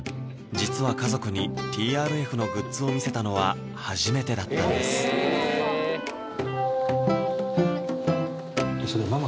実は家族に「ＴＲＦ」のグッズを見せたのは初めてだったんですママ